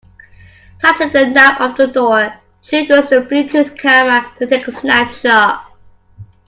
Touching the knob of the door triggers this Bluetooth camera to take a snapshot.